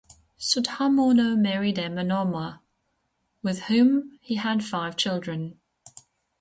Sudharmono married Erma Norma, with whom he had five children.